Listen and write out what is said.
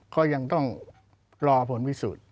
ก็ยังต้องรอผลวิสูจน